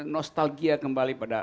nostalgia kembali pada